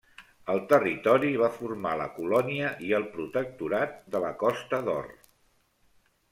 El territori va formar la colònia i el protectorat de la Costa d'Or.